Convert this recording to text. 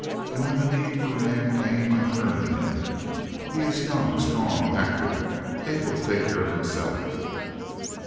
And when the need for a man came I turned to him. He is young, strong, active, able to take care of himself."